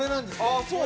あっそう？